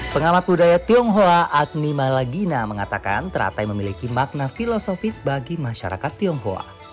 pengamat budaya tionghoa admi malagina mengatakan teratai memiliki makna filosofis bagi masyarakat tionghoa